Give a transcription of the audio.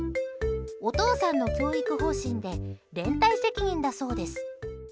お父さんの教育方針で連帯責任だそうです。